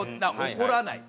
怒らない。